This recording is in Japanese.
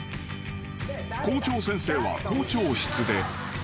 ［校長先生は校長室で］